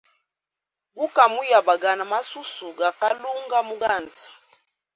Guka muyabagana masusu ga kalunga muganza.